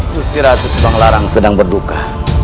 gusip rabu subang lara sedang berduka